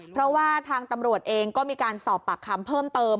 เพราะว่าทางตำรวจเองก็มีการสอบปากคำเพิ่มเติม